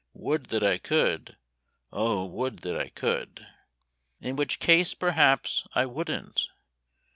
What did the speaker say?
Would that I could. O would that I could! In which case, perhaps, I wouldn't.